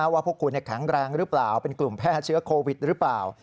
ว่าพวกคุณแข็งแรงหรือเปล่าเป็นกลุ่มแพร่เชื้อโควิดหรือเปล่า